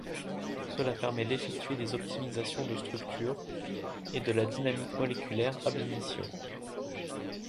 Cela permet d'effectuer des optimisations de structure et de la dynamique moléculaire ab initio.